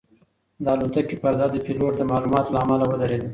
د الوتکې پرده د پیلوټ د معلوماتو له امله ودرېده.